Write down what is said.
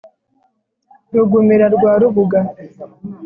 Rugumira rwa Rubuga